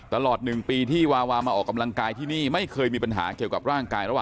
ตลอด๑ปีที่วาวามาออกกำลังกายที่นี่ไม่เคยมีปัญหาเกี่ยวกับร่างกายระหว่าง